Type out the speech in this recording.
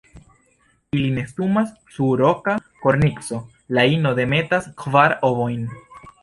Ili nestumas sur roka kornico; la ino demetas kvar ovojn.